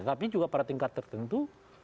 tapi juga pada tingkat tertentu